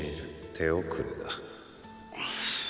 手遅れだ。